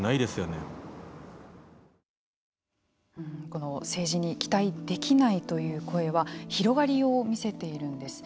この政治に期待できないという声は広がりを見せているんです。